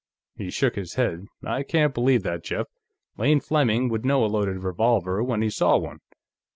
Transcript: He shook his head. "I can't believe that, Jeff. Lane Fleming would know a loaded revolver when he saw one.